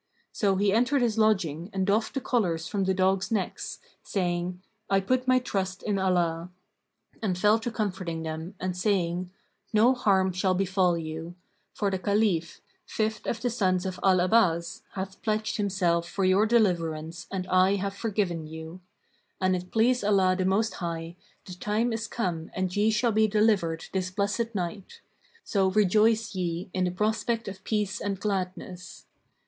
So he entered his lodging and doffed the collars from the dogs' necks, saying, "I put my trust in Allah," and fell to comforting them and saying, "No harm shall befal you; for the Caliph, fifth[FN#537] of the sons of Al Abbas, hath pledged himself for your deliverance and I have forgiven you. An it please Allah the Most High, the time is come and ye shall be delivered this blessed night; so rejoice ye in the prospect of peace and gladness."